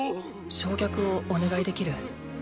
焼却をお願いできる？